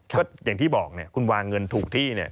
ก็อย่างที่บอกเนี่ยคุณวางเงินถูกที่เนี่ย